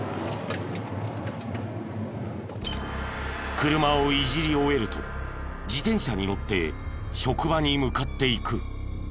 車をいじり終えると自転車に乗って職場に向かっていく。